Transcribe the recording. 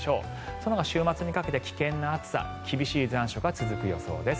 そのほか週末にかけて危険な暑さ厳しい残暑が続く予想です。